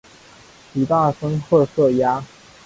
体大深褐色鸭。